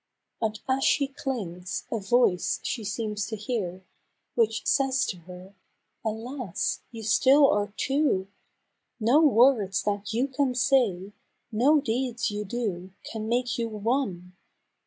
And as she clings, a voice she seems to hear Which says to her, " Alas ! you still are two ! No words that you can say, — no deeds you do Can make you one